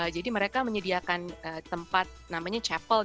jadi mereka menyediakan tempat namanya chapel